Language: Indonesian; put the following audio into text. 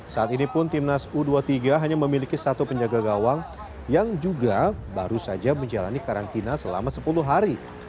saat ini pun timnas u dua puluh tiga hanya memiliki satu penjaga gawang yang juga baru saja menjalani karantina selama sepuluh hari